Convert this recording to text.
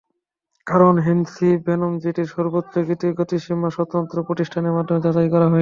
কারণ, Hennessey Venom জিটির সর্বোচ্চ গতিসীমা স্বতন্ত্র প্রতিষ্ঠানের মাধ্যমে যাচাই করা হয়নি।